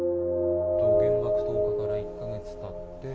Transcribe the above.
原爆投下から１か月たって。